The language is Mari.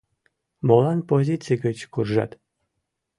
Молан позиций гыч куржат?